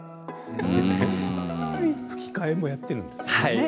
吹き替えもやっているんですね。